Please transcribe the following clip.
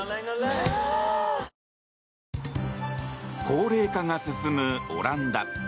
ぷはーっ高齢化が進むオランダ。